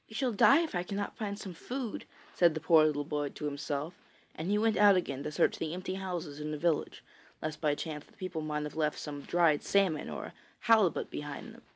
]'We shall die if I cannot find some food,' said the poor little boy to himself, and he went out again to search the empty houses in the village, lest by chance the people might have left some dried salmon or a halibut behind them.